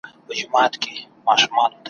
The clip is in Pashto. سهار وختی مي تقریباً څلور کیلومیتره قدم وواهه `